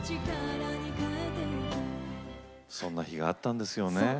そんな日があったんですよね。